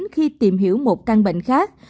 khi tìm hiểu một căn bệnh khác